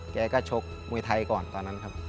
แกก็ชกมวยไทยก่อนตอนนั้นครับ